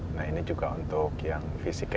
nah ini juga untuk yang fisika